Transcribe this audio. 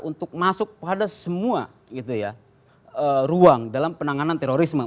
untuk masuk pada semua ruang dalam penanganan terorisme